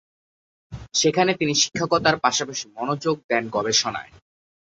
সেখানে তিনি শিক্ষকতার পাশাপাশি মনোযোগ দেন গবেষনায়।